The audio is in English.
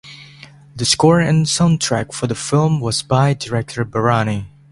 The score and soundtrack for the film was by director Bharani.